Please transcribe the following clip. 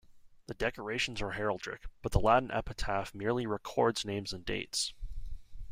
The decorations are heraldic, but the Latin epitaph merely records names and dates.